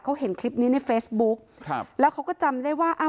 เขาเห็นคลิปนี้ในเฟซบุ๊คครับแล้วเขาก็จำได้ว่าอ้าว